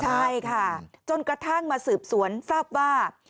ใช่ค่ะจนกระทั่งมาสืบสวนทราบว่า